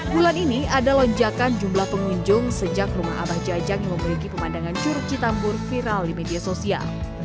bulan ini ada lonjakan jumlah pengunjung sejak rumah abah jajang yang memiliki pemandangan curug citambur viral di media sosial